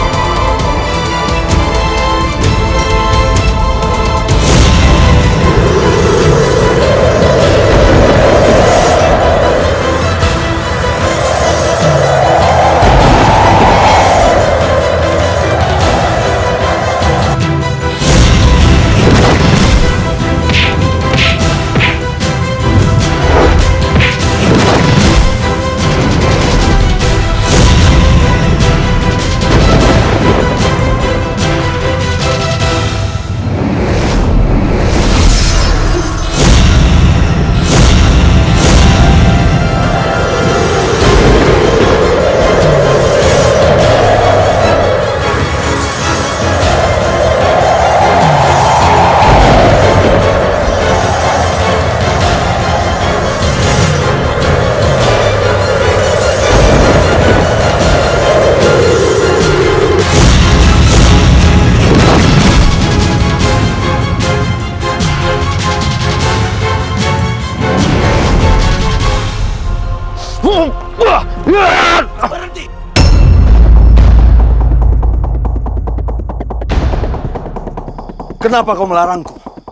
baiklah rimas keselamatan kita memang lebih penting